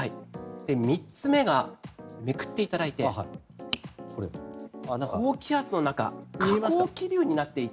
３つ目がめくっていただいて高気圧の中下降気流になっていて。